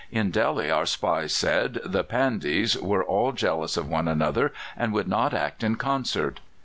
In Delhi, our spies said, the Pandies were all jealous of one another and would not act in concert.